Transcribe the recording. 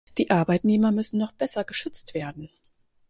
Die Arbeitnehmer müssen noch besser geschützt werden.